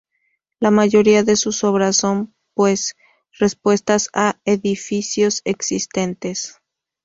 La mayoría de sus obras son, pues, respuestas a edificios existentes.